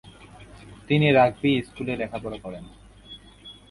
তিনি রাগবি স্কুলে লেখাপড়া করেন।